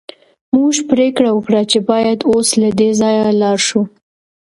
موږ پریکړه وکړه چې باید اوس له دې ځایه لاړ شو